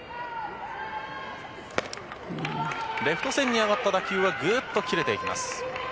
レフト線に上がった打球は切れていきました。